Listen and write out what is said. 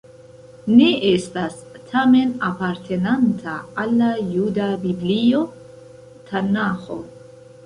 Ne estas, tamen, apartenanta al la juda Biblio Tanaĥo.